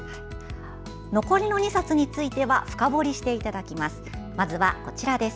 残りの２冊については深掘りしていただきます。